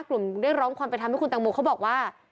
กลุ่มได้ร้องคอลไปทำให้คุณตังหมูเขาบอกว่า